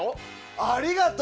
ありがとう。